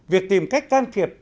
việc tìm cách can thiệp